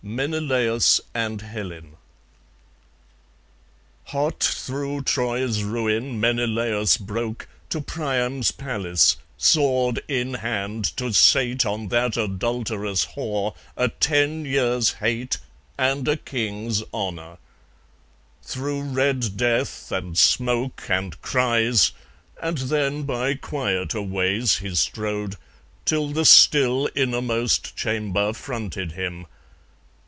Menelaus and Helen I Hot through Troy's ruin Menelaus broke To Priam's palace, sword in hand, to sate On that adulterous whore a ten years' hate And a king's honour. Through red death, and smoke, And cries, and then by quieter ways he strode, Till the still innermost chamber fronted him.